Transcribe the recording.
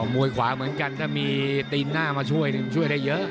มวยขวาเหมือนกันถ้ามีตีนหน้ามาช่วยช่วยได้เยอะ